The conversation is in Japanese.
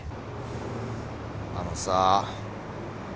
あのさ。